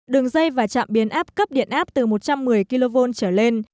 đường dây và trạm biến áp cấp điện áp từ một trăm một mươi kv trở lên